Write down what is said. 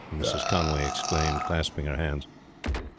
Mrs. Conway exclaimed, clasping her hands.